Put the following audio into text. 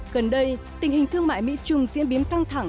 gần đây tình hình thương mại mỹ trung diễn biến căng thẳng